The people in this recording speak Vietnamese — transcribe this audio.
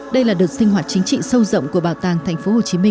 đây là đợt sinh hoạt chính trị sâu rộng của bảo tàng tp hcm